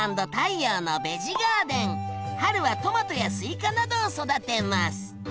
春はトマトやスイカなどを育てます。